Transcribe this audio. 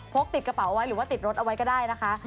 กติดกระเป๋าไว้หรือว่าติดรถเอาไว้ก็ได้นะคะ